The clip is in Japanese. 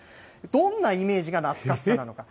どんなイメージが懐かしさなのか。